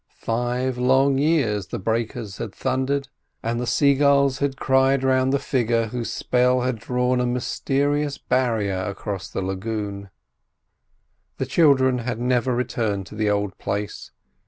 Five long years the breakers had thundered, and the sea gulls had cried round the figure whose spell had drawn a mysterious barrier across the lagoon. The children had never returned to the old place.